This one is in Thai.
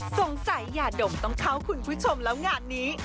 อย่าดมต้องเข้าคุณผู้ชมแล้วงานนี้